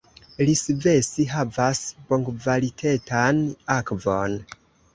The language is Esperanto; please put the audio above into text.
Iisvesi havas bonkvalitetan akvon.